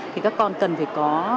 thì các con cần phải có